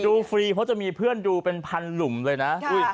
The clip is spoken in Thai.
ฟรีเพราะจะมีเพื่อนดูเป็นพันหลุมเลยนะ